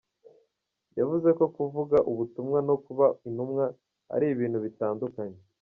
Yavuze ko kuvuga ubutumwa no kuba Intumwa, ari ibintu bitandukanye.